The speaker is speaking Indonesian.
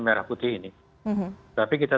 merah putih ini tapi kita